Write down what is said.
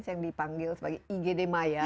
yang dipanggil sebagai igd maya